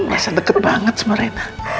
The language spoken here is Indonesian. biasa deket banget sama rena